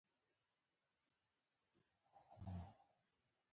اوبه د بڼو سرسبزي ده.